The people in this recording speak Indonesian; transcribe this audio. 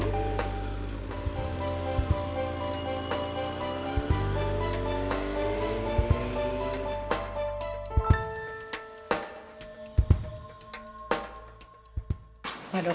tidak ada yang bisa diberi penyakit